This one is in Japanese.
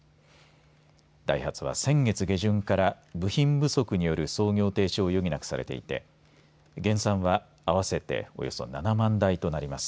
ダイハツは先月下旬から部品不足による操業停止を余儀なくされていて減産は合わせておよそ７万台となります。